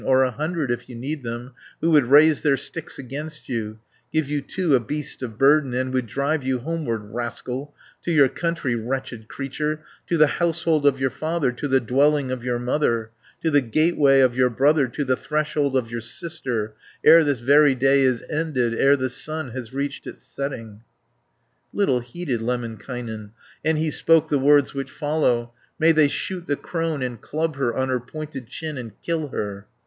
Or a hundred If you need them, 350 Who would raise their sticks against you, Give you, too, a beast of burden, And would drive you homeward, rascal, To your country, wretched creature, To the household of your father, To the dwelling of your mother, To the gateway of your brother, To the threshold of your sister, Ere this very day is ended, Ere the sun has reached its setting." 360 Little heeded Lemminkainen, And he spoke the words which follow: "May they shoot the crone, and club her, On her pointed chin, and kill her."